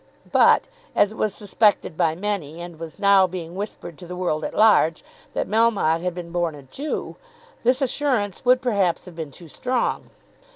But, as it was suspected by many, and was now being whispered to the world at large, that Melmotte had been born a Jew, this assurance would perhaps have been too strong.